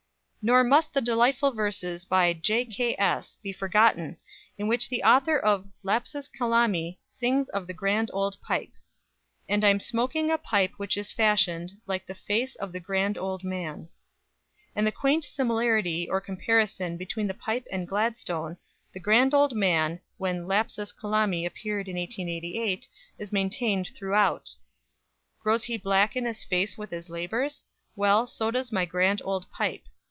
Nor must the delightful verses by "J.K.S." be forgotten, in which the author of "Lapsus Calami" sings of the "Grand Old Pipe" And I'm smoking a pipe which is fashioned Like the face of the Grand Old Man; and the quaint similarity or comparison between the pipe and Gladstone, the "Grand Old Man" when "Lapsus Calami" appeared in 1888, is maintained throughout _Grows he black in his face with his labours? Well, so does my Grand Old Pipe.